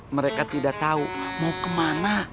mereka tidak tahu mau kemana